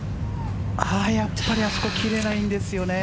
やっぱりあそこ切れないんですよね。